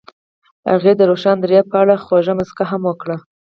هغې د روښانه دریاب په اړه خوږه موسکا هم وکړه.